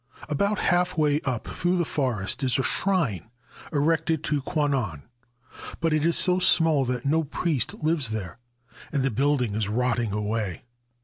About half way up through the forest is a shrine erected to Kwannon ; but it is so small that no priest lives there, and the building is rotting away.